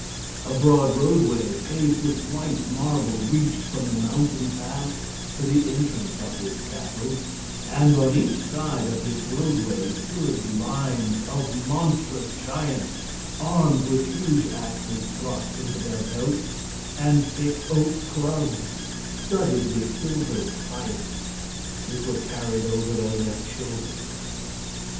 A broad roadway paved with white marble reached from the mountain pass to the entrance of this castle, and on each side of this roadway stood lines of monstrous giants, armed with huge axes thrust into their belts and thick oak clubs, studded with silver spikes, which were carried over their left shoulders.